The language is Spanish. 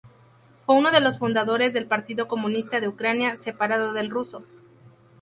Fue uno de los fundadores del Partido Comunista de Ucrania, separado del ruso.